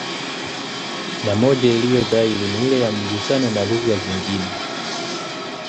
na moja iliyo dhahiri ni ile ya mgusano na lugha nyingine